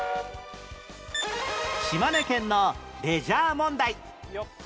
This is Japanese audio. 島根県のレジャー問題